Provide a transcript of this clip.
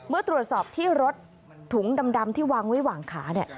เมื่อตรวจสอบที่รถถุงดำที่วางไว้หว่างขา